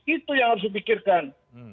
itu yang harus dipikirkan